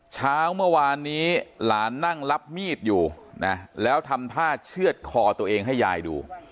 เช้าเมื่อวานนี้หลานนั่งรับมีดอยู่นะแล้วทำท่าเชื่อดคอตัวเองให้ยายดู